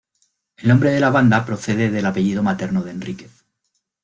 El nombre de la banda procede del apellido materno de Henríquez.